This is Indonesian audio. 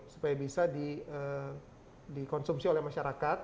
supaya bisa dikonsumsi oleh masyarakat